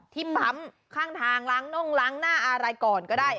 ที่ปั๊มข้างทางล้างน่งล้างหน้าอะไรก่อนก็ได้